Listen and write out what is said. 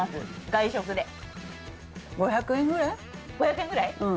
５００円ぐらい？